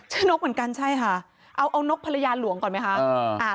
นกเหมือนกันใช่ค่ะเอานกภรรยาหลวงก่อนไหมคะ